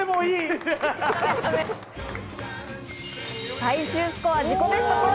最終スコア、自己ベスト更新！